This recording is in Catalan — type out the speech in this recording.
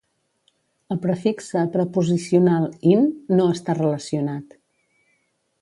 El prefixe preposicional "in-" no està relacionat.